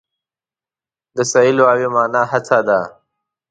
د سعې لغوي مانا هڅه ده.